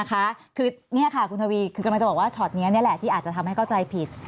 คือนี่ค่ะคุณทวีคือกำลังจะบอกว่าช็อตนี้นี่แหละที่อาจจะทำให้เข้าใจผิด